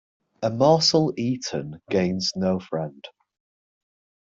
A morsel eaten gains no friend.